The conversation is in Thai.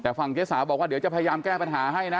แต่ฝั่งเจ๊สาวบอกว่าเดี๋ยวจะพยายามแก้ปัญหาให้นะ